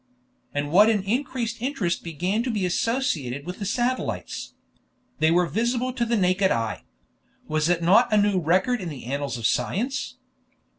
And what an increased interest began to be associated with the satellites! They were visible to the naked eye! Was it not a new record in the annals of science?